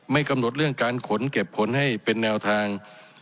กำหนดเรื่องการขนเก็บขนให้เป็นแนวทาง